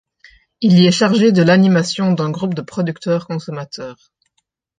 Il y est chargé de l’animation d’un groupe de producteurs consommateurs.